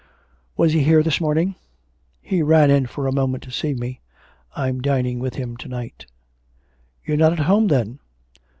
'Was he here this morning?' 'He ran in for a moment to see me.... I'm dining with him to night.' You're not at home, then?'